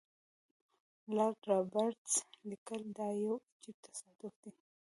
لارډ رابرټس لیکي دا یو عجیب تصادف دی.